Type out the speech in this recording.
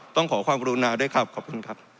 ขอความกรุณาด้วยครับขอบคุณครับ